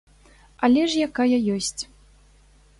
Але ж якая ёсць.